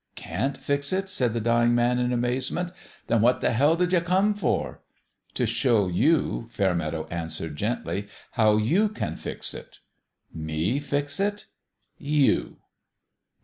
" Can't fix it? " said the dying man, in amaze ment. " Then what the hell did ye come for ?"" To show you," Fairmeadow answered gently, " how you can fix it." "J^fixit?" "You."